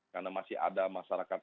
karena masih ada masyarakat